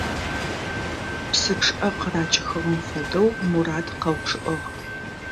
Псы чъыӏэ къыракӏыхыгъэм фэдэу Мурат къэучъыӏыгъ.